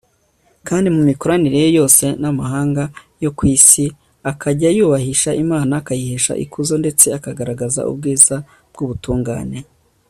kandi mu mikoranire ye yose n'amahanga yo ku isi akajya yubahisha imana akayihesha ikuzo ndetse akagaragaza ubwiza bw'ubutungane